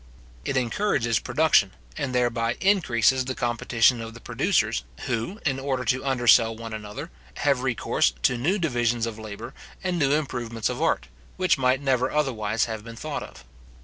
It encourages production, and thereby increases the competition of the producers, who, in order to undersell one another, have recourse to new divisions or labour and new improvements of art, which might never otherwise have been thought of.